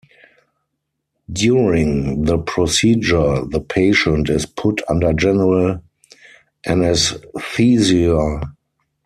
During the procedure, the patient is put under general anaesthesia.